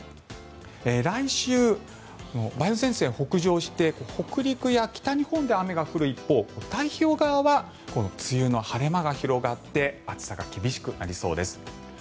来週、梅雨前線は北上して北陸や北日本で雨が降る一方太平洋側は梅雨の晴れ間が広がって暑さが厳しくなりそうです。